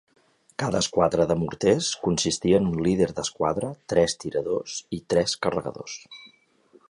Cada esquadra de morters consistia en un líder d'esquadra, tres tiradors i tres carregadors.